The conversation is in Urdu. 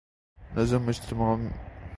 نظم اجتماعی انسان کی فطری ضرورت ہے۔